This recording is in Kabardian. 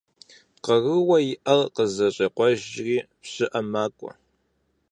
Къарууэ иӀэр къызэщӀекъуэжри, пщыӏэм макӀуэ.